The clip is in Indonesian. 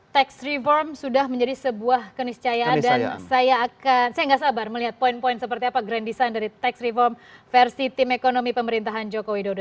tax reform sudah menjadi sebuah keniscayaan dan saya nggak sabar melihat poin poin seperti apa grand design dari tax reform versi tim ekonomi pemerintahan joko widodo